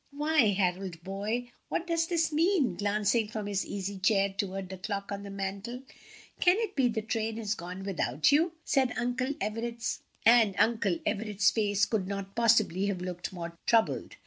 "Why, Harold, boy, what does this mean?" glancing from his easy chair toward the clock on the mantel; "can it be the train has gone without you?" and Uncle Everett's face could not possibly have looked more troubled.